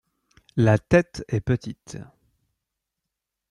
La tête est petite.